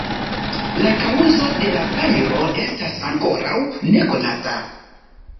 La kaŭzo de la fajro estas ankoraŭ nekonata.